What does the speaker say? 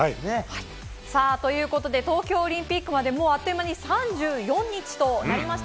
東京オリンピックまでもうあっという間で３４日となりました。